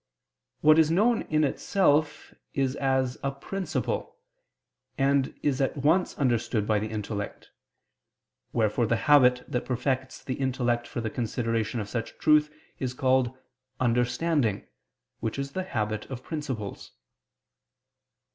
What is known in itself, is as a principle, and is at once understood by the intellect: wherefore the habit that perfects the intellect for the consideration of such truth is called understanding, which is the habit of principles.